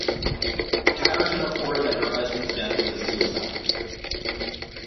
Patterson reported that her husband's death was a suicide.